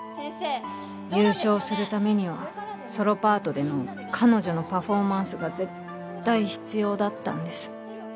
優勝するためにはソロパートでの彼女のパフォーマンスが絶対必要だったんです。